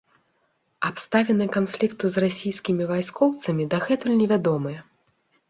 Абставіны канфлікту з расійскімі вайскоўцамі дагэтуль невядомыя.